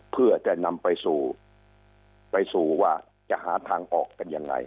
เพื่อจะนำไปสู่ไปสู่ว่าจะหาทางออกกันยังไง